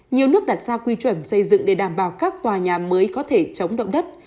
nhiều nước đặt ra quy chuẩn xây dựng để đảm bảo các tòa nhà mới có thể chống động đất